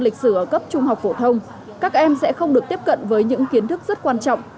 lịch sử ở cấp trung học phổ thông các em sẽ không được tiếp cận với những kiến thức rất quan trọng